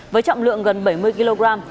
với trọng lượng gần bảy mươi kg